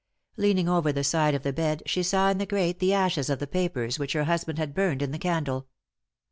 Leaning over the side of the bed she saw in the grate the ashes of the papers which her husband had burned in the candle.